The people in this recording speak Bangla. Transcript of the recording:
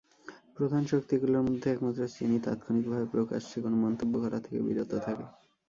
প্রধান শক্তিগুলোর মধ্যে একমাত্র চীনই তাৎক্ষণিকভাবে প্রকাশ্যে কোনো মন্তব্য করা থেকে বিরত থাকে।